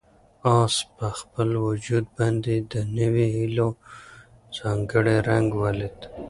آس په خپل وجود باندې د نوې هیلې ځانګړی رنګ ولید.